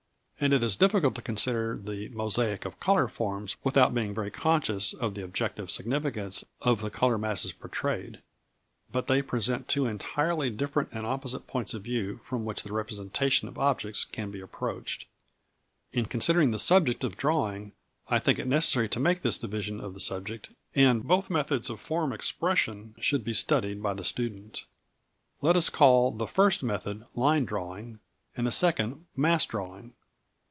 And it is difficult to consider the "mosaic of colour forms" without being very conscious of the objective significance of the colour masses portrayed. But they present two entirely different and opposite points of view from which the representation of objects can be approached. In considering the subject of drawing I think it necessary to make this division of the subject, and both methods of form expression should be studied by the student. Let us call the first method Line Drawing and the second Mass Drawing.